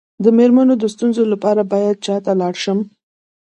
د میرمنو د ستونزو لپاره باید چا ته لاړ شم؟